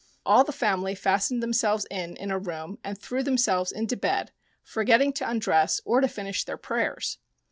" All the family fastened themselves in in a room and threw themselves into bed, forgetting to undress or to finish their prayers.